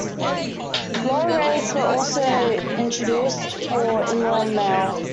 Lower rates were also introduced for inland mail.